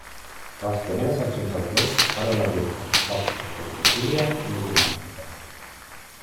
Les primeres seccions del club foren la lluita, boxa, halterofília i la gimnàstica.